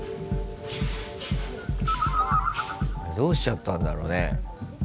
どうしちゃったんだろうね。